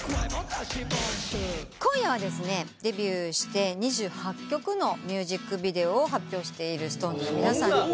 今夜はデビューして２８曲のミュージックビデオを発表しているＳｉｘＴＯＮＥＳの皆さん。